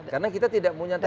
karena kita tidak mau nyatakan